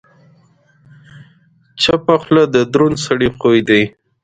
چپه خوله، د دروند سړي خوی دی.